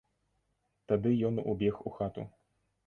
Тады ён убег у хату.